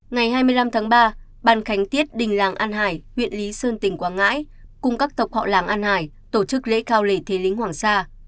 ngày hai mươi năm tháng ba ban khánh tiết đình làng an hải huyện lý sơn tỉnh quảng ngãi cùng các tộc họ làng an hải tổ chức lễ cao lễ thế lính hoàng sa